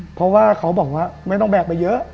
เพราะว่าเขาบอกว่าไม่ต้องแบกไปเยอะ